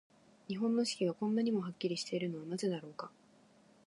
日本の四季が、こんなにもはっきりしているのはなぜだろうか。